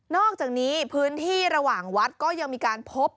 อกจากนี้พื้นที่ระหว่างวัดก็ยังมีการพบ